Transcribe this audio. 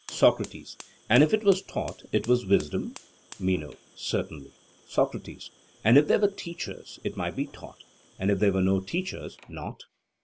SOCRATES: And if it was taught it was wisdom? MENO: Certainly. SOCRATES: And if there were teachers, it might be taught; and if there were no teachers, not?